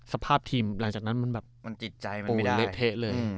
สภาพทีมหลังจากนั้นมันแบบโปรดเล็กเทะเลย